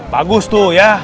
bagus tuh ya